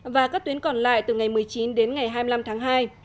và các tuyến còn lại từ ngày một mươi chín đến ngày hai mươi năm tháng hai